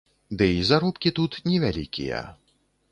Ды і заробкі тут невялікія.